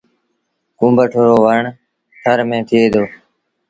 ڪُونڀٽ رو وڻ ٿر ميݩ ٿئي دو۔